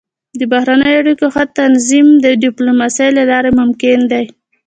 د بهرنیو اړیکو ښه تنظیم د ډيپلوماسۍ له لارې ممکن دی.